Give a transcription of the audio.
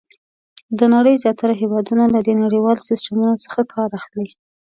د نړۍ زیاتره هېوادونه له دې نړیوال سیسټمونو څخه کار اخلي.